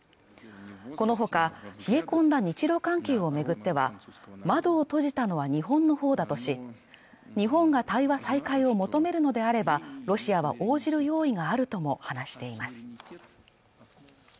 このほか冷え込んだ日ロ関係を巡っては窓を閉じたのは日本の方だとし日本が対話再開を求めるのであればロシアは応じる用意があるとも話しています